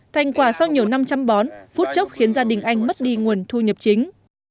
thành quả sau nhiều năm chăm bón phút chốc khiến gia đình anh mất đi nguồn thu nhập chính